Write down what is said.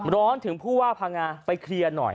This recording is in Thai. ร้อนถึงผู้ว่าพังงาไปเคลียร์หน่อย